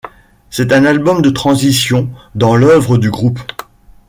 C'est un album de transition dans l'œuvre du groupe.